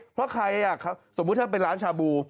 เพราะใครสมมุติถ้าเป็นร้านชาบู